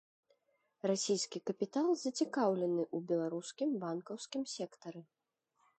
Расійскі капітал зацікаўлены ў беларускім банкаўскім сектары.